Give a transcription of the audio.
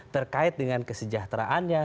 terkait dengan kesejahteraannya